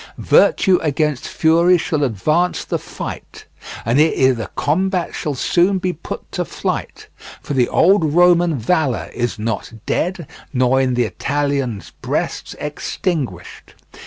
Virtue against fury shall advance the fight, And it i' th' combat soon shall put to flight: For the old Roman valour is not dead, Nor in th' Italians' brests extinguished.